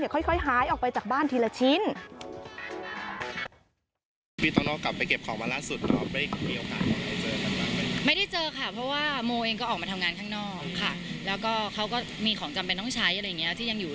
ค่อยหายออกไปจากบ้านทีละชิ้น